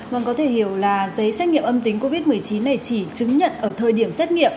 vâng có thể hiểu là giấy xét nghiệm âm tính covid một mươi chín này chỉ chứng nhận ở thời điểm xét nghiệm